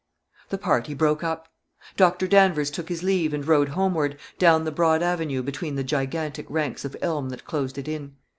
The party broke up. Doctor Danvers took his leave, and rode homeward, down the broad avenue, between the gigantic ranks of elm that closed it in.